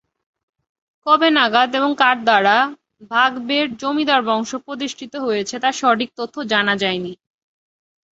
কবে নাগাদ এবং কার দ্বারা বাঘবেড় জমিদার বংশ প্রতিষ্ঠিত হয়েছে তার সঠিক তথ্য জানা যায়নি।